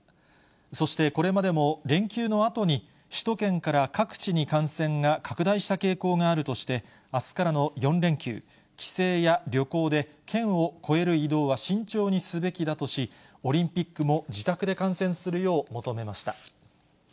そして、これまでも連休のあとに、首都圏から各地に感染が拡大した傾向があるとして、あすからの４連休、帰省や旅行で県を越える移動は慎重にすべきだとし、オリンピックも自宅で観戦するよう求めました。